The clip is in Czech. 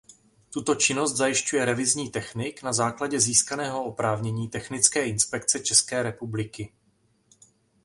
Tuto činnost zajišťuje revizní technik na základě získaného oprávnění Technické inspekce České republiky.